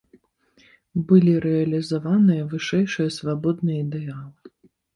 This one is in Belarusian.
Былі рэалізаваныя вышэйшыя свабодныя ідэалы.